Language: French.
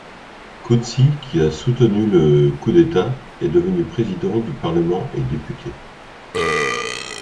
Koudsi qui a soutenu le coup d'État, est devenu président du parlement et député.